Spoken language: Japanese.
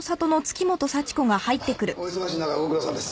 お忙しい中ご苦労さんです。